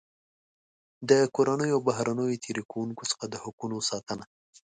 د کورنیو او بهرنیو تېري کوونکو څخه د حقوقو ساتنه.